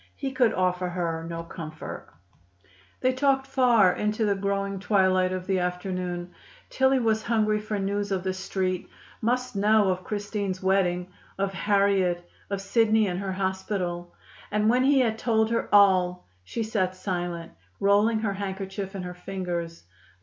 He could offer her no comfort. They talked far into the growing twilight of the afternoon. Tillie was hungry for news of the Street: must know of Christine's wedding, of Harriet, of Sidney in her hospital. And when he had told her all, she sat silent, rolling her handkerchief in her fingers.